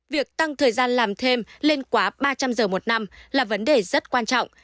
việc tăng thời gian làm thêm lên quá ba trăm linh giờ một năm là vấn đề rất quan trọng